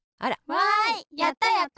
わいやったやった！